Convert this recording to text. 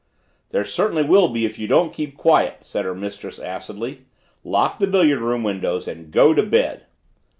"There certainly will be if you don't keep quiet," said her mistress acidly. "Lock the billiard room windows and go to bed."